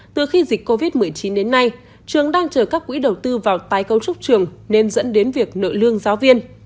từ khi dịch covid một mươi chín đến nay trường đang chờ các quỹ đầu tư vào tái cấu trúc trường nên dẫn đến việc nội lương giáo viên